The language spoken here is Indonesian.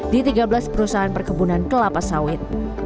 di tiga belas perusahaan perkebunan kelapa sawit